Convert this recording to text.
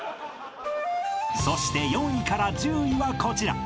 ［そして４位から１０位はこちら］